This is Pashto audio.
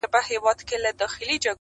د ورځي سور وي رسوایي وي پکښې,